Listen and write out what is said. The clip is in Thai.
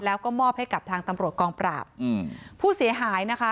แล้วก็มอบให้กับทางตำรวจกองปราบอืมผู้เสียหายนะคะ